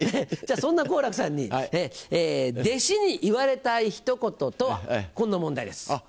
じゃあそんな好楽さんに「弟子に言われたいひと言とは？」こんな問題です。